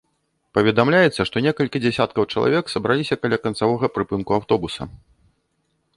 Паведамляецца, што некалькі дзясяткаў чалавек сабраліся каля канцавога прыпынку аўтобуса.